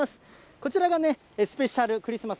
こちらがスペシャル、クリスマス